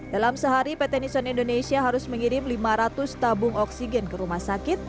dalam sehari pt nison indonesia harus mengirim lima ratus tabung oksigen ke rumah sakit